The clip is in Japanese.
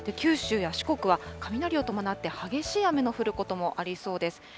九州や四国は、雷を伴って激しい雨の降ることもありそうです。